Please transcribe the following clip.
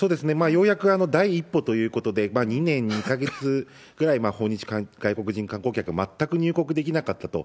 ようやく第一歩ということで、２年２か月ぐらい訪日外国人観光客、全く入国できなかったと。